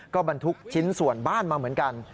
ก็บรรทุกชิ้นส่วนบ้านมาเหมือนกัน